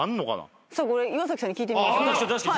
岩崎さんに聞いてみましょう。